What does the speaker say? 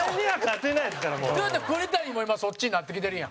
陣内：栗谷も今そっちになってきてるやん。